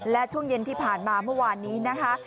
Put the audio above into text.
และช่วงเย็นที่ผ่านมาเมื่อวานนี้นะคะ